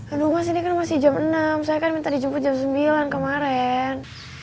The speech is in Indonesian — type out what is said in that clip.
aduh mas ini kan masih jam enam saya kan minta dijemput jam sembilan kemarin